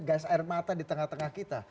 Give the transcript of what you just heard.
gas air mata di tengah tengah kita